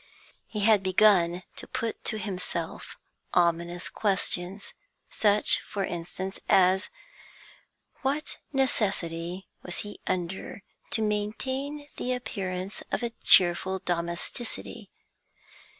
He had begun to put to himself ominous questions; such, for instance, as What necessity was he under to maintain the appearance of a cheerful domesticity?